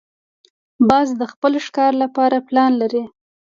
باز د خپل ښکار لپاره پلان لري